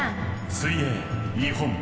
「水泳日本」。